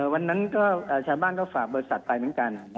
วันนั้นชาวบ้านก็ฝากบริษัทไปเหมือนกัน